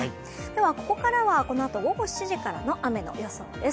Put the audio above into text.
ここからは、このあと午後７時からの雨の予想です。